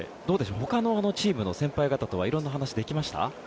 ほかのチームの先輩方とは色んな話、できました？